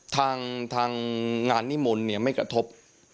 ทางงานนิมนต์เนี่ยไม่กระทบ